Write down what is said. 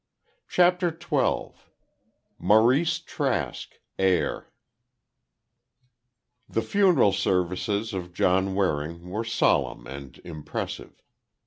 CHAPTER XII MAURICE TRASK, HEIR The funeral services of John Waring were solemn and impressive.